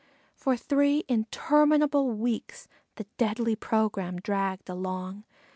For three interminable weeks the deadly program dragged along.